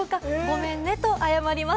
ごめんねと謝ります。